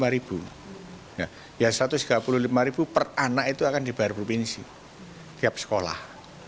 rp satu ratus tiga puluh lima per anak itu akan dibayar provinsi tiap sekolah